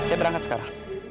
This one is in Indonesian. saya berangkat sekarang